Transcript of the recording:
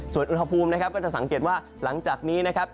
ส่วนอุณหภูมินะครับก็จะสังเกตว่าหลังจากนี้นะครับ